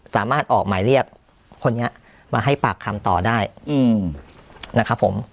สามารถออกหมายเรียกคนนี้มาให้ปากคำต่อได้นะครับผม